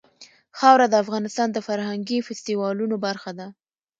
خاوره د افغانستان د فرهنګي فستیوالونو برخه ده.